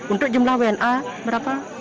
untuk jumlah wna berapa